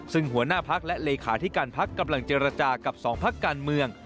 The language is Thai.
ซึ่งหัวหน้าพักและเลขาธิการพักกำลังเจรจากับสองพักการเมือง